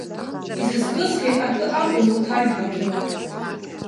Изызкызгьы акы акәын урҭ аҩбагьы.